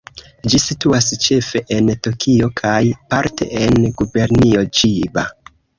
Ĝi situas ĉefe en Tokio kaj parte en Gubernio Ĉiba.